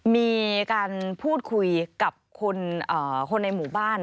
มีการพูดคุยกับคนในหมู่บ้าน